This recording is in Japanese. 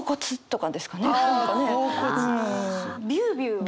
「ビュービュー」？